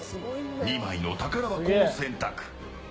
２枚の宝箱を選択。